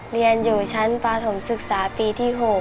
เรียนอยู่ชั้นปฐมศึกษาปีที่๖